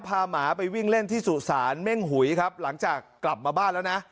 หมาไปวิ่งเล่นที่สุสานเม่งหุยครับหลังจากกลับมาบ้านแล้วนะ